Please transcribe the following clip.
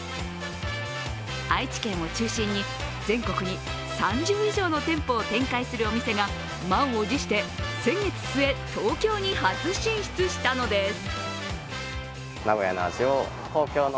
愛知県を中心に全国に３０以上の店舗を展開するお店が満を持して、先月末、東京に初進出したのです。